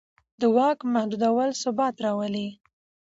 د واک محدودول ثبات راولي